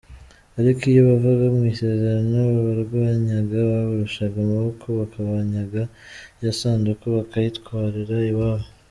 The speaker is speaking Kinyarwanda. Ariko iyo bavaga mw’isezerano, ababarwanyaga babarushaga amaboko bakabanyaga ya sanduku bakayitwarira iwabo.